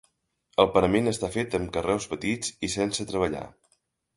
El parament està fet amb carreus petits i sense treballar.